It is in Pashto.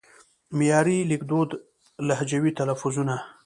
معیاري لیکدود لهجوي تلفظونه